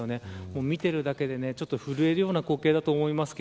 見ているだけで震えるような光景だと思います。